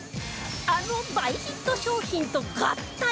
あの大ヒット商品と合体！